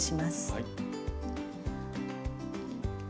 はい。